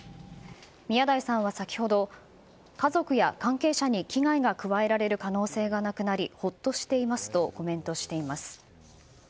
宮台さんは先ほど家族や関係者に危害が加えられる可能性がなくなりほっとしていますとコメントしています。